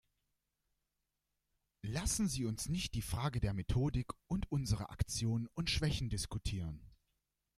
Lassen Sie uns nicht die Frage der Methodik und unsere Aktionen und Schwächen diskutieren.